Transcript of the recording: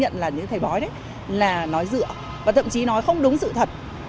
hoàn toàn bịa đặt